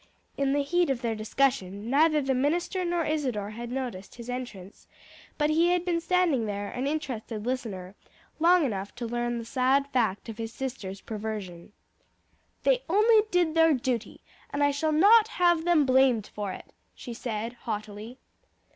In the heat of their discussion, neither the minister nor Isadore had noticed his entrance, but he had been standing there, an interested listener, long enough to learn the sad fact of his sister's perversion. "They only did their duty, and I shall not have them blamed for it," she said, haughtily.